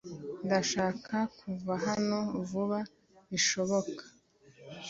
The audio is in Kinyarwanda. Ndashaka kuva hano vuba bishoboka